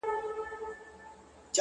o ستا هغه رنگين تصوير،